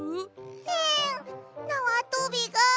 エンなわとびが。